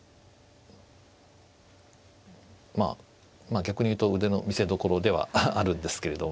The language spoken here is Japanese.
まあ逆に言うと腕の見せどころではあるんですけれども。